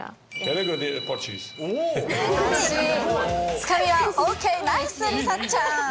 つかみはＯＫ、ナイス梨紗ちゃん。